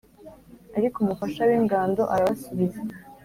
Ariko umufasha w’ingando arabasubiza